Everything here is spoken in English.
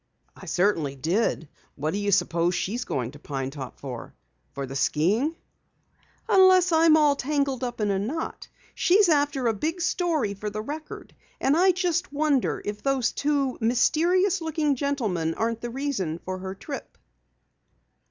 "I certainly did. Why do you suppose she's going to Pine Top? For the skiing?" "Unless I'm all tangled in a knot, she's after a big story for the Record. And I just wonder if those two mysterious looking gentlemen aren't the reason for her trip!"